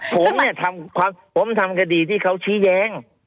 ผมเนี่ยผมทำคดีที่เขาชี้แย้ง